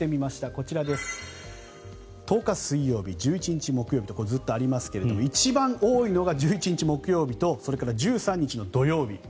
こちら１０日水曜日、１１日木曜日とずっとありますが一番多いのが１１日木曜日と１３日の土曜日。